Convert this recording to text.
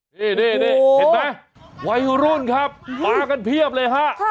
นี่เห็นไหมวัยรุ่นครับมากันเพียบเลยฮะ